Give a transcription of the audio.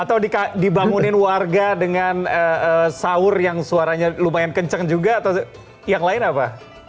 atau dibangunin warga dengan sahur yang suaranya lumayan kencang juga atau yang lain apa